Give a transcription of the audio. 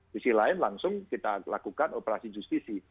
di sisi lain langsung kita lakukan operasi justisi